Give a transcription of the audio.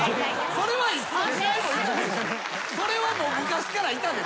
それはもう昔からいたでしょ。